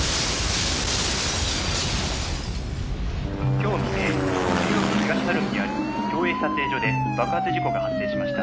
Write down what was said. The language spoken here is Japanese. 「今日未明中央区東晴海にある共映撮影所で爆発事故が発生しました」